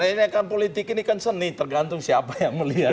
ini kan politik ini kan seni tergantung siapa yang melihat